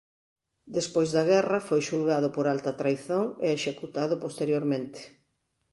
Despois da guerra foi xulgado por alta traizón e executado posteriormente.